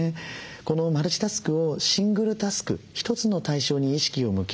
このマルチタスクをシングルタスク一つの対象に意識を向ける。